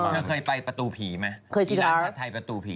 นี่น้าเคยไปประตูผีไหมที่ร้านผ่านไทยประตูผี